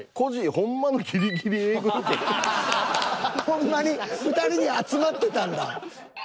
ほんまに２人に集まってたんだ。